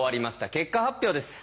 結果発表です。